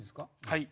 はい。